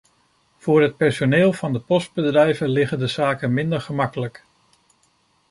Voor het personeel van de postbedrijven liggen de zaken minder gemakkelijk.